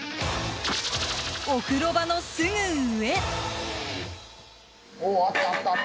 お風呂場のすぐ上。